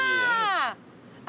あ！